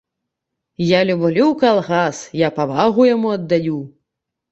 Я люблю калгас, я павагу яму аддаю.